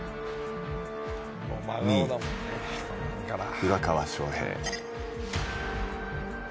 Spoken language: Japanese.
２位浦川翔平。